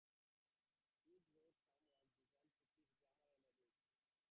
Bede wrote some works designed to help teach grammar in the abbey school.